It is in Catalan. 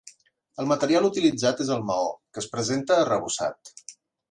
El material utilitzat és el maó, que es presenta arrebossat.